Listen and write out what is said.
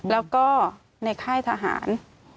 แล้วก็ในค่ายทหาร